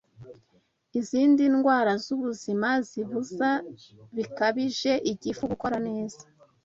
Izindi ndwara z'ubuzima zibuza bikabije igifu gukora neza